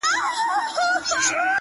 همدا اوس وايم درته-